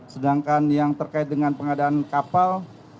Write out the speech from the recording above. sedangkan yang terkait dengan pengadaan kapal